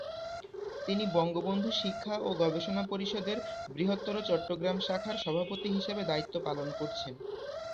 তিনি বঙ্গবন্ধু শিক্ষা ও গবেষণা পরিষদের বৃহত্তর চট্টগ্রাম শাখার সভাপতি হিসেবে দায়িত্ব পালন করছেন।